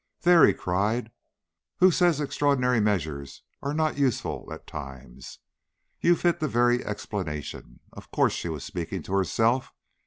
"There," he cried, "who says extraordinary measures are not useful at times? You've hit the very explanation. Of course she was speaking to herself.